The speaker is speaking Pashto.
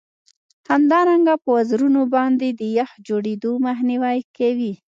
همدارنګه په وزرونو باندې د یخ د جوړیدو مخنیوی کوي